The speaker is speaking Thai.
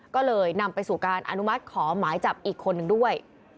ก็เลยนำไปสู่การอนุมัติขอหมายจับอีกคนนึงด้วย